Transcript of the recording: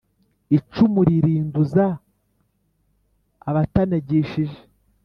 icumu ririnduza abatanagishije